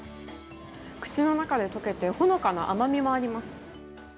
口の中で溶けて、ほのかな甘みもあります。